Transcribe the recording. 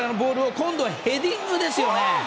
今度はヘディングですよね。